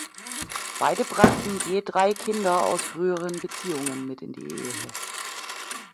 Beide brachten je drei Kinder aus früheren Beziehungen mit in die Ehe.